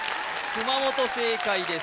熊本正解です